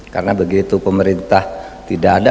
karena begitu pemerintah tidak ada